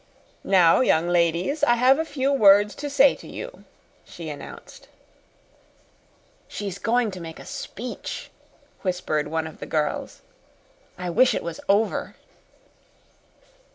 "Now, young ladies, I have a few words to say to you," she announced. "She's going to make a speech," whispered one of the girls. "I wish it was over."